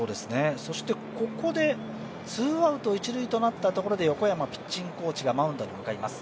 そしてここでツーアウト一塁となったところで横山ピッチングコーチがマウンドに向かいます。